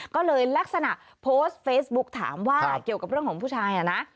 ก็เลยลักษณะโพสต์เฟซบุ๊กถามว่าเกี่ยวกับเรื่องของผู้ชายนะ